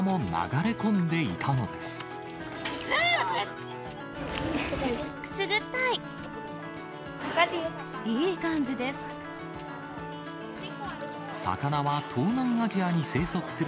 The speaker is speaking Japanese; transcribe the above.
いい感じです。